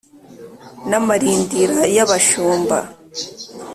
n’amarindira y’abashumba”